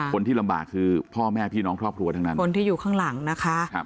คนที่ลำบากคือพ่อแม่พี่น้องครอบครัวทั้งนั้นคนที่อยู่ข้างหลังนะคะ